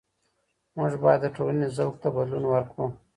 موږ بايد د ټولني ذوق ته بدلون ورکړو.